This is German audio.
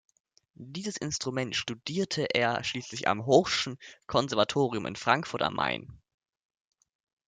Dieses Instrument studierte er schließlich am Hoch'schen Konservatorium in Frankfurt am Main.